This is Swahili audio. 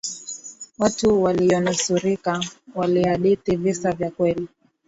watu waliyonusurika walihadithi visa vya kweli